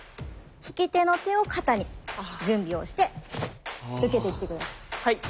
引き手の手を肩に準備をして受けてきて下さい。